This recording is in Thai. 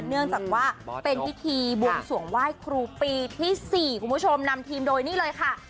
เนื่องจากว่าเป็นพิธีบวงสวงไหว้ครูปีที่๔คุณผู้ชมนำทีมโดยนี่เลยค่ะ